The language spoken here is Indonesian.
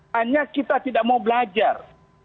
hanya kita tidak mau belajar